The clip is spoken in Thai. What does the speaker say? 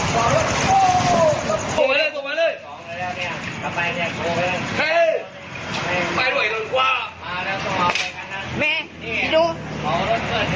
นางลงนางลง